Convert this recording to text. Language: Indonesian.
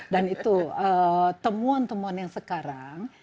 dan itu temuan temuan yang sekarang